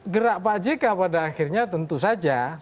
gerak pak jk pada akhirnya tentu saja